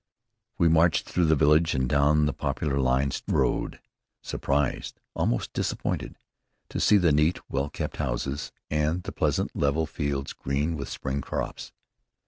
We marched through the village and down the poplar lined road, surprised, almost disappointed, to see the neat, well kept houses, and the pleasant, level fields, green with spring crops.